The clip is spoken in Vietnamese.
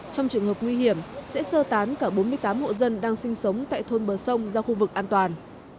trong trường hợp nguy hiểm sẽ sơ tán cả bốn mươi tám hộ dân đang sinh sống tại thôn bờ sông ra khu vực an toàn